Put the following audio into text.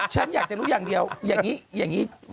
ฉันอยากจะรู้อย่างเดียวอย่างงี้